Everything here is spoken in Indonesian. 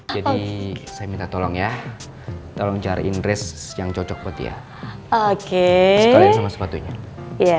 jadi saya minta tolong ya tolong cariin res yang cocok buat ya oke sekalian sepatunya ya